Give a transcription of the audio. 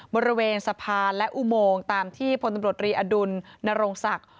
บริเวณสะพานและอุโมงตามที่พลตำรวจรีอดุลนโรงศักดิ์